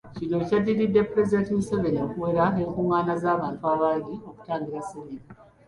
Kino kyaddiridde Pulezidenti Museveni okuwera enkungaana z’abantu abangi okutangira ssennyiga.